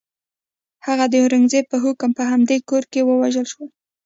هغه د اورنګزېب په حکم په همدې کور کې ووژل شو.